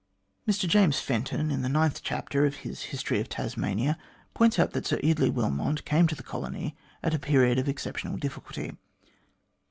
Mr James Fenton, in the ninth chapter of his " History of Tasmania," points out that Sir Eardley Wilmot came to the colony at a period of exceptional difficulty.